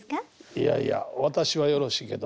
いやいや私はよろしいけど。